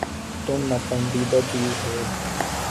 تم ناپندیدہ چیز ہے